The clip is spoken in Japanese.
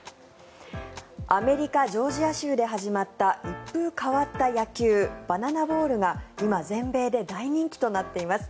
アメリカ・ジョージア州で始まった、一風変わった野球バナナボールが今、全米で大人気となっています。